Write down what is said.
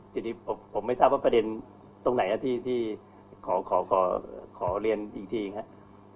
ทีนี้ผมไม่ทราบว่าประเด็นตรงไหนที่ขอเรียนอีกทีครับ